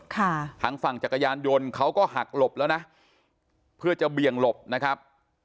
ทางฝั่งจักรยานยนต์เขาก็หักหลบแล้วนะเพื่อจะเบี่ยงหลบนะครับ